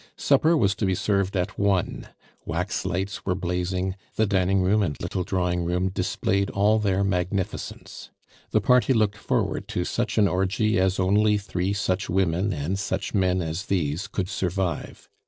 Supper was to be served at one; wax lights were blazing, the dining room and little drawing room displayed all their magnificence. The party looked forward to such an orgy as only three such women and such men as these could survive.